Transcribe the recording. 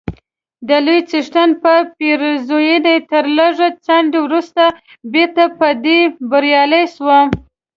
د لوی څښتن په پېرزوینه تر لږ ځنډ وروسته بیرته په دې بریالی سوم،